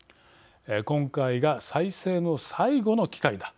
今回が再生の最後の機会だ。